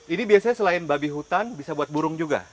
ini biasanya selain babi hutan bisa buat burung juga